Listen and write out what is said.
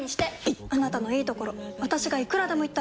いっあなたのいいところ私がいくらでも言ってあげる！